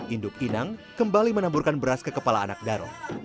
induk inang kembali menaburkan beras ke kepala anak daro